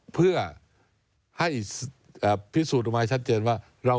เพื่อให้พิสูจน์ออกมาให้ชัดเจนว่า